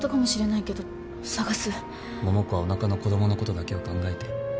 桃子はおなかの子供のことだけを考えて。